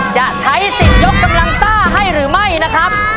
จะใช้สิทธิ์ยกกำลังซ่าให้หรือไม่นะครับ